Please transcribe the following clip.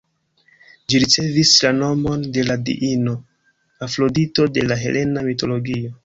Ĝi ricevis la nomon de la diino Afrodito de la helena mitologio.